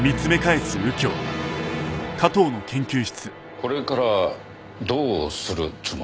これからどうするつもり？